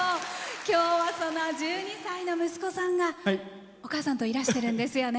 今日は、その１２歳の息子さんがお母さんといらしてるんですよね。